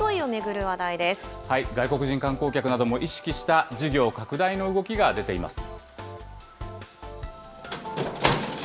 外国人観光客なども意識した事業拡大の動きが出ています。